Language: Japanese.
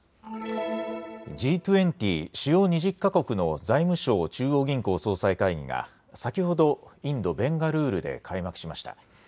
Ｇ２０・主要２０か国の財務相・中央銀行総裁会議が先ほどインド・ベンガルールで開幕しました。